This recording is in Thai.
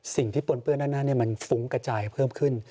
ปนเปื้อนด้านหน้ามันฟุ้งกระจายเพิ่มขึ้น